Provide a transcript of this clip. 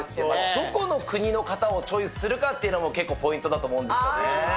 どこの国の方をチョイスするかっていうのも、結構ポイントだと思